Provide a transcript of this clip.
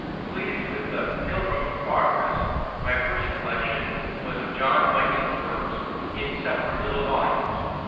Pleased with the Pilgrim's Progress, my first collection was of John Bunyan's works in separate little volumes.